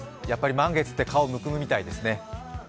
やっぱり満月って顔、むくむみたいですね。